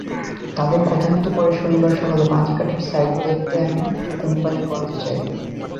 তাদের কথামতো পরে শনিবার সকালে মাটি কাটার সাইড দেখতে আমি কোম্পানীগঞ্জে যাই।